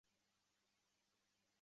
该地以铜业知名。